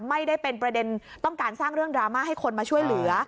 ไม่ได้เป็นประเด็นต้องการสร้างเรื่องดราม่าให้คนมาช่วยเหลือ